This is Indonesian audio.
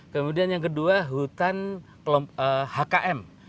kemudian yang kedua hutan hkm